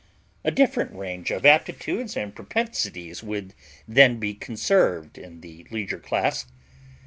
A different range of aptitudes and propensities would then be conserved in the leisure class.